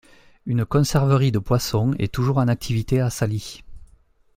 Une conserverie de poissons est toujours en activité à Sali.